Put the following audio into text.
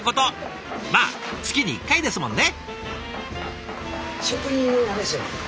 まあ月に１回ですもんね。